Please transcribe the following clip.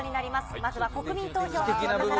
まずは国民投票の結果から。